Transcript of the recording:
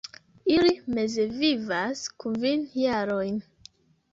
Ili meze vivas kvin jarojn.